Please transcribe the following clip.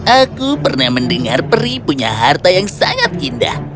aku pernah mendengar peri punya harta yang sangat indah